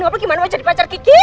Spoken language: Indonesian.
gapapa gimana mau jadi pacar kiki